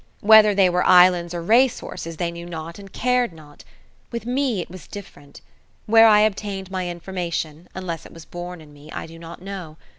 Whether they were islands or racehorses they knew not and cared not. With me it was different. Where I obtained my information, unless it was born in me, I do not know.